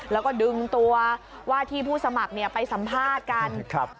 แล้วก็ดึงตัวว่าที่ผู้สมัครไปสัมภาษณ์กัน